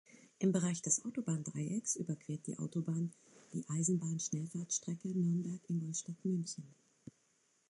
Im Bereich des Autobahndreiecks überquert die Autobahn die Eisenbahn-Schnellfahrstrecke Nürnberg–Ingolstadt–München.